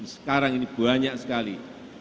sekarang ini banyak sekali